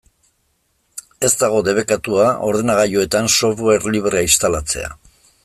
Ez dago debekatua ordenagailuetan software librea instalatzea.